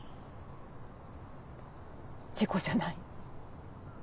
事故じゃない。